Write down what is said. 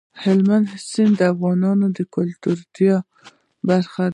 هلمند سیند د افغانانو د ګټورتیا برخه ده.